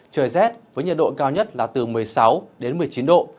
trời rét với nhiệt độ cao nhất là từ một mươi sáu đến một mươi chín độ